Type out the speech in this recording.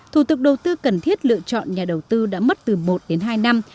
thủ tục đầu tư cần thiết lựa chọn nhà đầu tư đã mất từ một đến hai năm